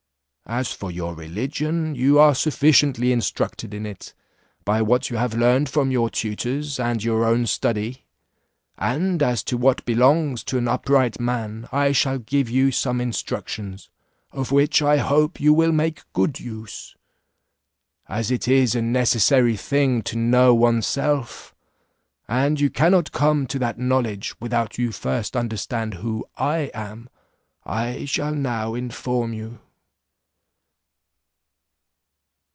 As for your religion, you are sufficiently instructed in it, by what you have learnt from your tutors, and your own study; and as to what belongs to an upright man, I shall give you some instructions, of which I hope you will make good use. As it is a necessary thing to know one's self, and you cannot come to that knowledge without you first understand who I am, I shall now inform you.